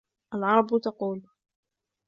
الْعَرَبُ تَقُولُ